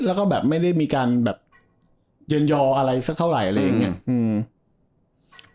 แล้วก็แบบไม่ได้มีการแบบเย็นยออะไรสักเท่าไหร่อะไรอย่างเงี้ยอืม